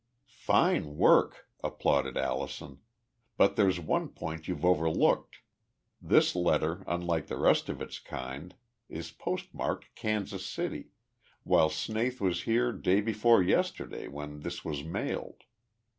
"Fine work!" applauded Allison. "But there's one point you've overlooked. This letter, unlike the rest of its kind, is postmarked Kansas City, while Snaith was here day before yesterday when this was mailed.